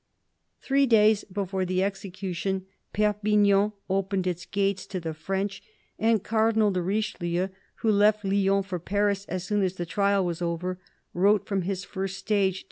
Three days before the execution Perpignan opened its gates to the French, and Cardinal de Richelieu, who left Lyons for Paris as soon as the trial was over, wrote from his first stage to M.